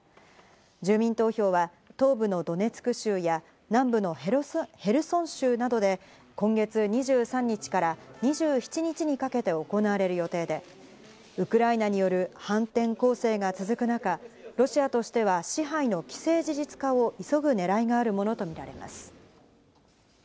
住民投票は東部のドネツク州や南部のヘルソン州などで今月２３日から２７日にかけて行われる予定で、ウクライナによる反転攻勢が続く中、ロシアとしては支配の既成事実化を急ぐ狙いがあるものとみられます。